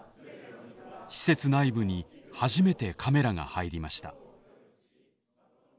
施設内部に初めてカメラが入りました。